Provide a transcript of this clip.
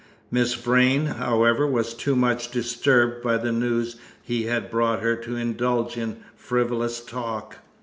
Miss Vrain, however, was too much disturbed by the news he had brought her to indulge in frivolous talk.